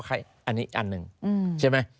อันนี้อันหนึ่งใช่ไหม